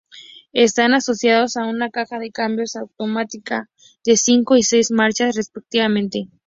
Están asociados a una caja de cambios automática de cinco y seis marchas respectivamente.